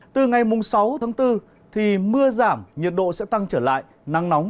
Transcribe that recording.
từ ngày mùng sáu tháng bốn thì mưa giảm nhiệt độ sẽ tăng trở lại nắng nóng mở rộng dần